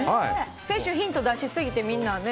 先週ヒント出しすぎてみんなね。